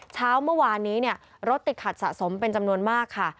เช้าเมื่อวานนี้รถติดขัดสะสมเป็นจำนวนมากค่ะ